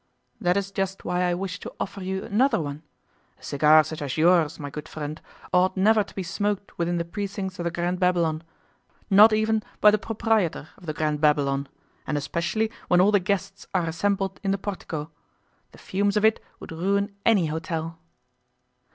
'That is just why I wish to offer you another one. A cigar such as yours, my good friend, ought never to be smoked within the precincts of the Grand Babylon, not even by the proprietor of the Grand Babylon, and especially when all the guests are assembled in the portico. The fumes of it would ruin any hotel.